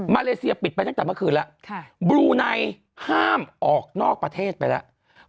เลเซียปิดไปตั้งแต่เมื่อคืนแล้วบลูไนห้ามออกนอกประเทศไปแล้ว